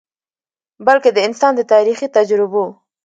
بلکه د انسان د تاریخي تجربو ،